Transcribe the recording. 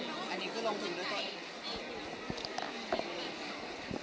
อันนี้คือลงทุนด้วยตัวเอง